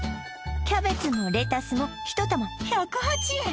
キャベツもレタスも１玉１０８円